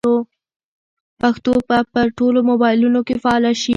پښتو به په ټولو موبایلونو کې فعاله شي.